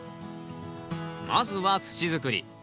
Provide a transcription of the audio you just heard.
まずは土づくり。